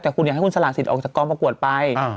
แต่คุณอยากให้คุณสลากสิทธิออกจากกองประกวดไป